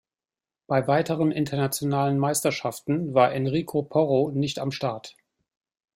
Bei weiteren internationalen Meisterschaften war Enrico Porro nicht am Start.